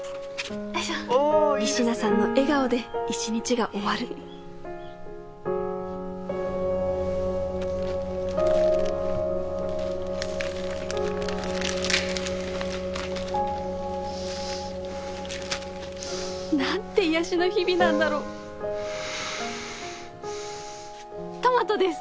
仁科さんの笑顔で一日が終わる何て癒やしの日々なんだろうトマトです。